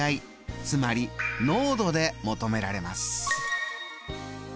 つまり濃度で求められます。